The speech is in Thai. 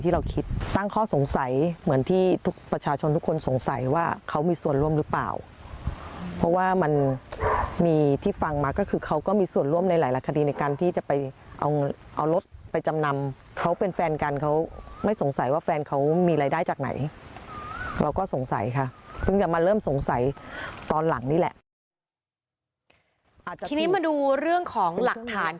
เราก็สงสัยค่ะตั้งแต่มาเริ่มสงสัยตอนหลังนี่แหละ